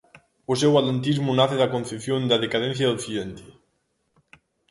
O seu atlantismo nace da concepción da decadencia de Occidente.